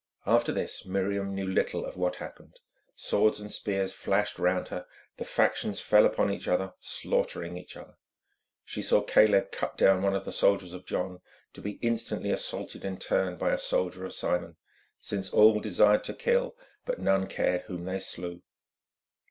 After this, Miriam knew little of what happened. Swords and spears flashed round her, the factions fell upon each other, slaughtering each other. She saw Caleb cut down one of the soldiers of John, to be instantly assaulted in turn by a soldier of Simon, since all desired to kill, but none cared whom they slew.